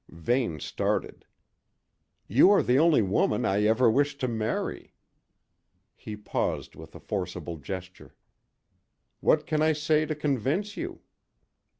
Vane started. "You are the only woman I ever wished to marry." He paused with a forcible gesture. "What can I say to convince you?"